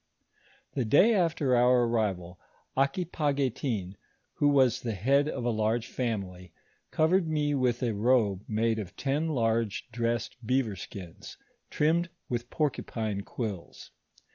The day after our arrival, Aquipaguetin, who was the head of a large family, covered me witli a robe made of ten large dressed beaver skins, trimmed with porcupine quills.